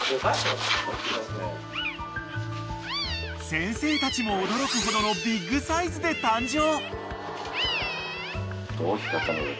［先生たちも驚くほどのビッグサイズで誕生］